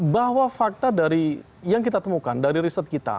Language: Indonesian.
bahwa fakta yang kita temukan dari riset kita